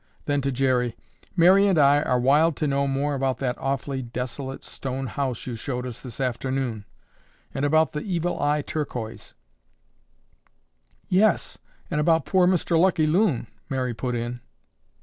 Then to Jerry, "Mary and I are wild to know more about that awfully desolate stone house you showed us this afternoon and about the Evil Eye Turquoise—" "Yes, and about poor Mr. Lucky Loon—" Mary put in.